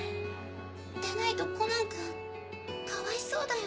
でないとコナンくんかわいそうだよ。